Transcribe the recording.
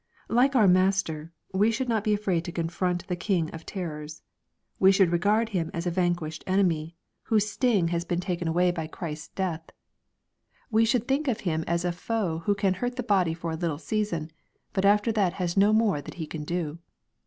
Like our Master, we should not be afraid to confront the king of terrors. We should regard him as a vanquished enemy, whose sting has been LUKE, CHAP. XXIIl. 481 taken away by Christ's death. We should think of him as a foe who can hurt the body for a little season, but after that has no more that he can do.